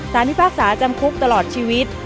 พิพากษาจำคุกตลอดชีวิต